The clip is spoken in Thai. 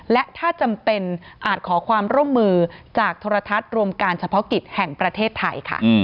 และถ้าจำเป็นอาจขอความร่วมมือจากโทรทัศน์รวมการเฉพาะกิจแห่งประเทศไทยค่ะ